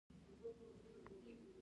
پاملرنه ګټوره ده.